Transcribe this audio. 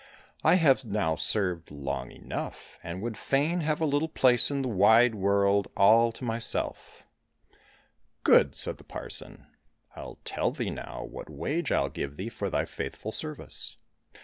I have now served long enough, and would fain have a Httle place in the wide world all to myself." —" Good !" said the parson. " I'll tell thee now what wage I'll give thee for thy faithful service.